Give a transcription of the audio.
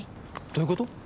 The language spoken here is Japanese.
どういうこと？